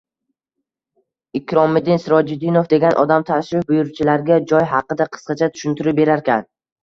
Ikromiddin Sirojiddinov degan odam tashrif buyuruvchilarga joy haqida qisqacha tushuntirib berarkan.